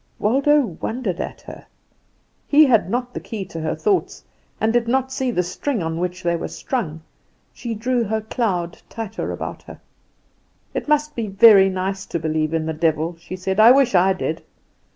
Waldo wondered at her. He had not the key to her thoughts, and did not see the string on which they were strung. She drew her cloud tighter about her. "It must be very nice to believe in the devil," she said; "I wish I did.